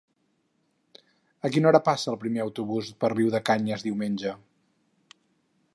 A quina hora passa el primer autobús per Riudecanyes diumenge?